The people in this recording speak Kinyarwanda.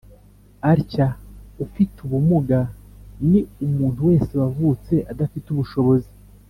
atya:"ufite ubumuga ni umuntu wese wavutse adafite ubushobozi